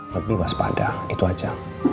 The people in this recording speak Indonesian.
lebih waspada itu aja